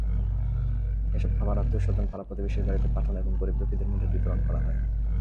এসব খাবার আত্মীয়স্বজন, পাড়া-প্রতিবেশীর বাড়িতে পাঠানো এবং গরিব-দুঃখীর মধ্যে বিতরণ করা হয়।